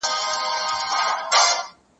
آیا تاسې کله ټولنیز بدلون لیدلی دی؟